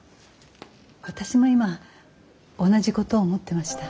私も今同じことを思ってました。